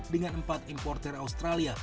dengan empat importer australia